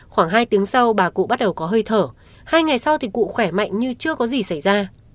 khoảng hai tiếng sau bà cụ bắt đầu có hơi thở hai ngày sau thì cụ khỏe mạnh như chưa có gì xảy ra